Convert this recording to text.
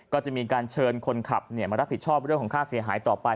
ก็จะมีการเชิญคนขับมารับผิดชอบเรื่องของค่าเสียหายต่อไป